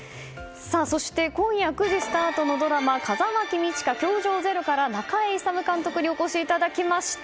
そして今夜９時スタートのドラマ「風間公親‐教場０‐」から中江功監督にお越しいただきました。